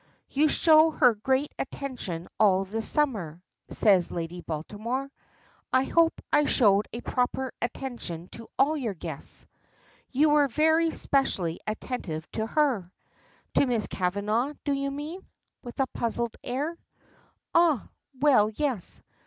"You showed her great attention all this summer," says Lady Baltimore. "I hope I showed a proper attention to all your guests." "You were very specially attentive to her." "To Miss Kavanagh, do you mean?" with a puzzled air. "Ah! well, yes.